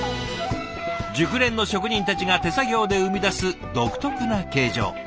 熟練の職人たちが手作業で生み出す独特な形状。